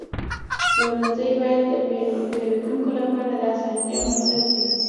پلورنځی باید د پیرودونکو لپاره د اسانتیا مرکز وي.